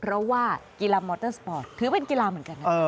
เพราะว่ากีฬามอเตอร์สปอร์ตถือเป็นกีฬาเหมือนกันนะ